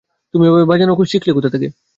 তুমি এভাবে বাজানো কোথা থেকে শিখলে?